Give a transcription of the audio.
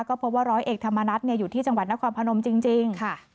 ก็พบว่าร้อยเอกธรรมนัฐอยู่ที่จังหวัดนครพนมจริง